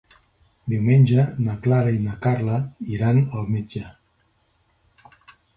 Diumenge na Clara i na Carla iran al metge.